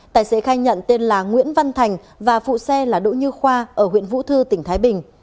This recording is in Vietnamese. tài xế khai nhận tên là nguyễn văn thành và phụ xe là đỗ như khoa ở huyện vũ thư tỉnh thái bình